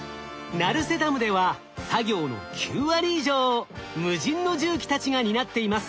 成瀬ダムでは作業の９割以上を無人の重機たちが担っています。